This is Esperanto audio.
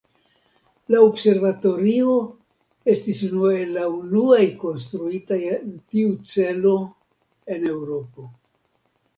La observatorio estis unu el la unuaj konstruitaj en tiu celo en Eŭropo.